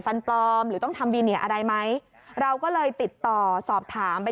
ฟันปลอมหรือต้องทำวีเนียอะไรไหมเราก็เลยติดต่อสอบถามไป